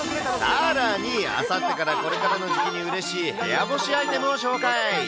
さらに、あさってからこれからの時期にうれしい部屋干しアイテムを紹介。